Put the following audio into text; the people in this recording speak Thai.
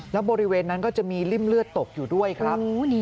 แล้วบริเวณนั้นก็จะมีริ่มเลือดตกอยู่ด้วยครับ